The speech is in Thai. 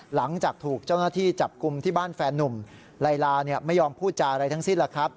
หลังจากถูกเจ้าหน้าที่จับกลุ่มที่บ้านแฟนนุ่มไลลาเนี่ยไม่ยอมพูดจาอะไรทั้งสิ้นแล้วครับ